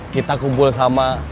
kita kumpul sama